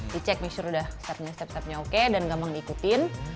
di cek make sure udah step nya oke dan gampang diikutin